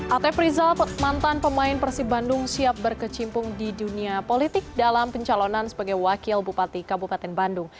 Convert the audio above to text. atef rizal mantan pemain persib bandung siap berkecimpung di dunia politik dalam pencalonan sebagai wakil bupati kabupaten bandung